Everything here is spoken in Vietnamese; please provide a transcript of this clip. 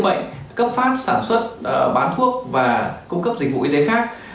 bệnh cấp phát sản xuất bán thuốc và cung cấp dịch vụ y tế khác